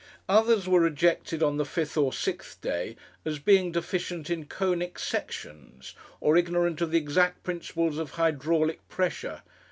Others were rejected on the fifth or sixth day as being deficient in conic sections, or ignorant of the exact principles of hydraulic pressure.